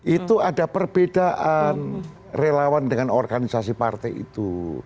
itu ada perbedaan relawan dengan organisasi partai itu